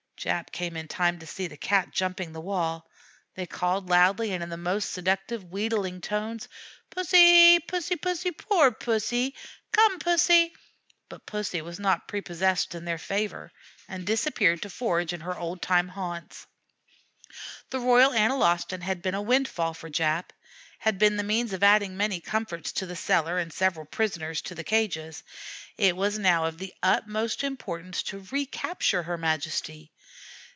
Jap came in time to see the Cat jumping the wall. They called loudly and in the most seductive, wheedling tones: "Pussy, Pussy, poor Pussy! Come, Pussy!" But Pussy was not prepossessed in their favor, and disappeared to forage in her old time haunts. The Royal Analostan had been a windfall for Jap had been the means of adding many comforts to the cellar and several prisoners to the cages. It was now of the utmost importance to recapture her majesty.